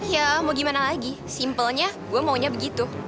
ya mau gimana lagi simpelnya gue maunya begitu